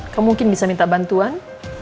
kamu mungkin bisa minta bantuan